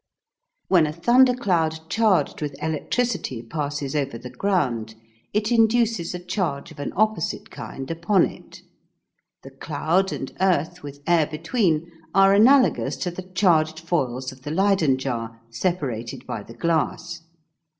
When a thundercloud charged with electricity passes over the ground, it induces a charge of an opposite kind upon it. The cloud and earth with air between are analogous to the charged foils of the Leyden jar separated by the glass.